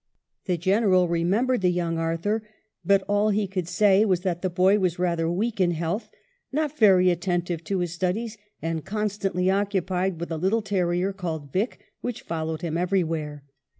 The General remembered the young Arthur, but all he could say was that the boy was rather weak in health, " not very attentive to his studies, and constantly occupied with a little terrier called Vick, which followed him everywhere."